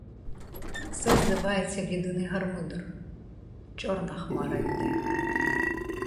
Все зливається в єдиний гармидер: чорна хмара йде.